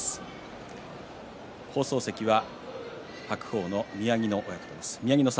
放送席は白鵬の宮城野親方です。